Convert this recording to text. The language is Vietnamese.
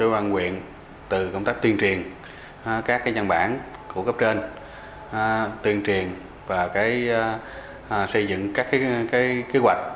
các cơ quan huyện từ công tác tuyên truyền các nhân bản của cấp trên tuyên truyền và xây dựng các kế hoạch